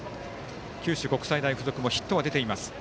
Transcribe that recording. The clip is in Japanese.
九州国際大付属もヒットは出ています。